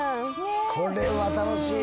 これは楽しいぞ。